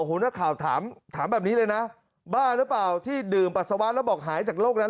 นักข่าวถามแบบนี้เลยนะบ้าหรือเปล่าที่ดื่มปัสสาวะแล้วบอกหายจากโรคนั้น